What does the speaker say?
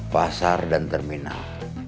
pasar dan terminal